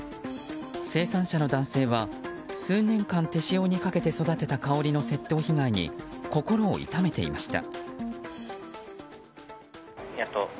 生産者の男性は数年間手塩にかけて育てたかおりの窃盗被害に心を痛めていました。